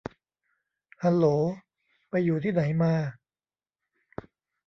ฮัลโหล ไปอยู่ที่ไหนมา